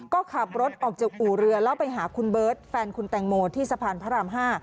ก็ขับรถออกจากอู่เรือแล้วไปหาคุณเบิร์ตแฟนคุณแตงโมที่สะพานพระราม๕